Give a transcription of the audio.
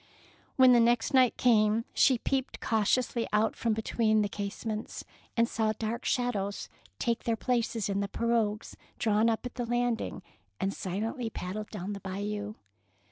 When the next night came, she peeped cautiously out from between the case ments, and saw dark figures take their places in the pirogues drawn up at the landing and silently paddle down the Bayou.